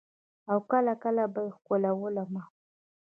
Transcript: او کله کله به يې ښکلولم.